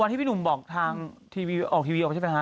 ที่พี่หนุ่มบอกทางทีวีออกทีวีออกไปใช่ไหมคะ